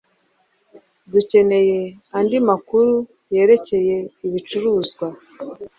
Dukeneye andi makuru yerekeye ibicuruzwa